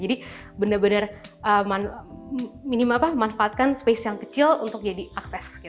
jadi benar benar minima apa manfaatkan space yang kecil untuk jadi akses gitu